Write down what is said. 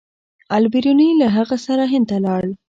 البیروني له هغه سره هند ته لاړ.